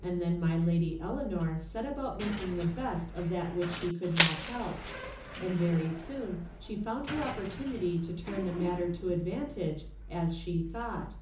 And then my Lady Eleanor set about making the best of that which she could not help ; and very soon she found her opportunity to tui n the matter to advantage, as she thought.